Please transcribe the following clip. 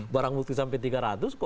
barang bukti sampai tiga ratus kok